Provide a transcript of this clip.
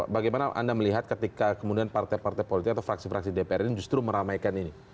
bagaimana anda melihat ketika kemudian partai partai politik atau fraksi fraksi dpr ini justru meramaikan ini